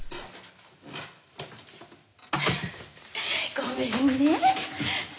ごめんね。